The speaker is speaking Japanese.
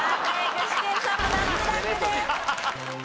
具志堅さんも脱落です。